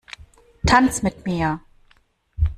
Tanz mit mir!